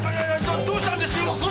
どうしたんです？